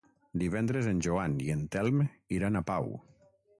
Divendres en Joan i en Telm iran a Pau.